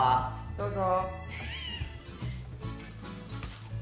・どうぞ。